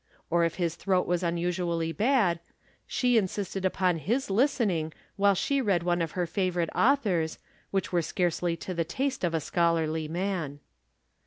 Or, if his throat was un usually bad, she insisted upon his listening while she read one other favorite authors, which were scarcely to the taste of a scholarly man.